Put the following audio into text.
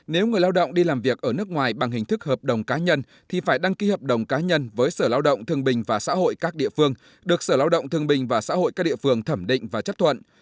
nếu người lao động đi làm việc ở nước ngoài bằng hình thức hợp đồng cá nhân thì phải đăng ký hợp đồng cá nhân với sở lao động thương bình và xã hội các địa phương được sở lao động thương bình và xã hội các địa phương thẩm định và chấp thuận